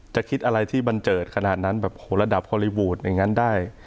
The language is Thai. จะคิดอะไรที่บันเจิดขนาดนั้นแบบโหระดับฮอลลี่วูดอย่างนั้นได้